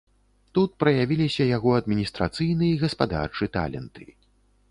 Тут праявіліся яго адміністрацыйны і гаспадарчы таленты.